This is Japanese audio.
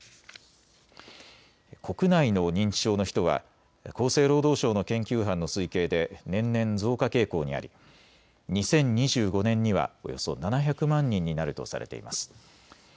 国内の認知症の人は厚生労働省の研究班の推計で年々増加傾向にあり２０２５年にはおよそ７００万人になるとされています。